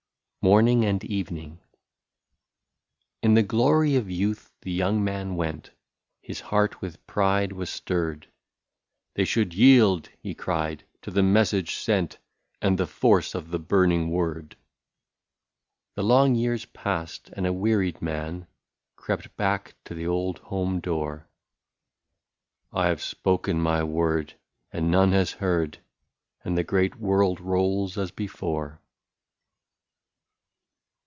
92 MORNING AND EVENING. In the glory of youth the young man went, — His heart with pride was stirred ; "They should yield," he cried, "to the message sent. And force of the burning word/' The long years past, and a wearied man Crept back to the old home door :—" I have spoken my word, and none has heard, And the great world rolls as before."